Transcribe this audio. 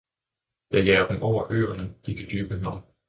Jeg jager dem over øerne, i det dybe hav.